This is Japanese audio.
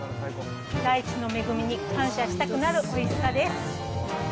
大地の恵みに感謝したくなるおいしさです。